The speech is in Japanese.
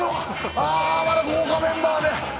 また豪華メンバーで。